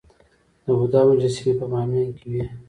د بودا مجسمې په بامیان کې وې